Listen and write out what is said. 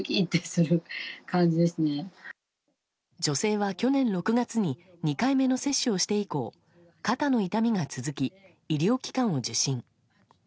女性は去年６月に２回目の接種をして以降肩の痛みが続き医療機関を受診。